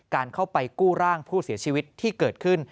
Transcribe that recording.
การเข้าไปกู้ร่างผู้เสียชีวิตที่เกิดขึ้น